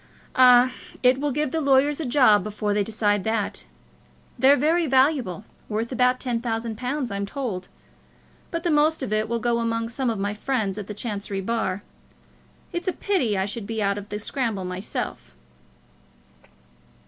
"Ah; it will give the lawyers a job before they decide that. They're very valuable; worth about ten thousand pounds, I'm told; but the most of it will go among some of my friends at the Chancery bar. It's a pity that I should be out of the scramble myself."